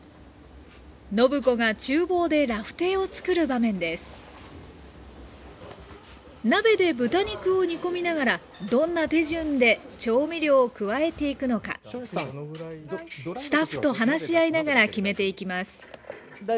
暢子が厨房で「ラフテー」をつくる場面です鍋で豚肉を煮込みながらどんな手順で調味料を加えていくのかスタッフと話し合いながら決めていきます